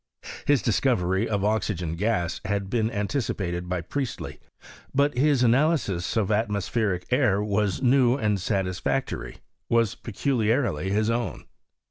His discovery of oxygen gas had bees anticipated by Priestley ; but his analysis of atmo spheric air was new and satisfactory — was peculiarly his own.